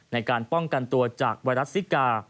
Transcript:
ในการป้องกันตัวจากไวรัสซิกา